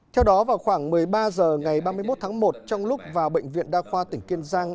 theo đó vào khoảng một mươi ba h ngày ba mươi một tháng một trong lúc vào bệnh viện đa khoa tỉnh kiên giang